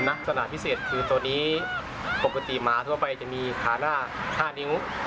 ลักษณะพิเศษคือตัวนี้ปกติหมาทั่วไปจะมีขาหน้า๕นิ้ว